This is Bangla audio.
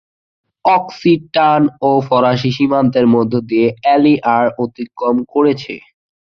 অক্সিটান ও ফরাসি সীমান্তের মধ্যে দিয়ে অ্যালিয়ার অতিক্রম করেছে।